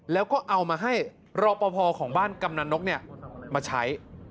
แล้วก็เอามาให้รอปภของบ้านกำนันนกมาใช้